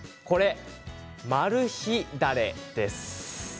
マル秘だれです。